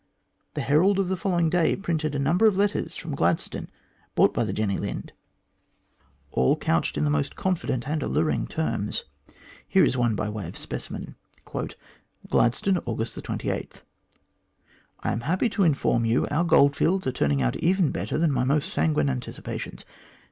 The Herald of the following day printed a number of letters from Gladstone brought by the Jenny Lind, all couched in the most THE GKEAT GOLD RUSH 99 confident and alluring terms. Here is one by way of specimen : "GLADSTONE, August 28. " I am happy to inform you our goklfields are turning out even better than my most sanguine anticipations.